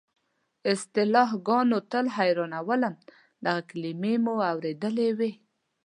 اصطلاحګانو تل حیرانولم، دغه کلیمې مو اورېدلې وې.